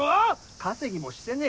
稼ぎもしてねえ